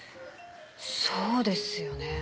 そうですよね。